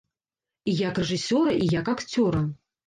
І як рэжысёра, і як акцёра.